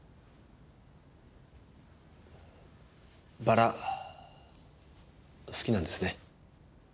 バラ好きなんですね？